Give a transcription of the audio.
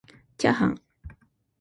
ちゃーはん